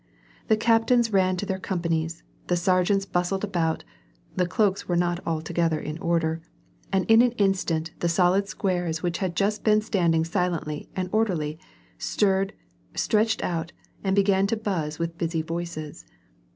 The captains ran to their companies, the sergeants bustled about (the cloaks were not altogether in order) and in an instant the solid squares which had just been standing silently and orderly, stirred, stretched out, and began to buzz with busy voices.